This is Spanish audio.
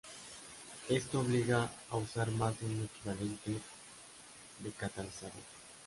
Esto obliga a usar más de un equivalente de catalizador.